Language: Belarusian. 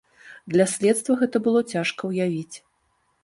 Для следства гэта было цяжка ўявіць.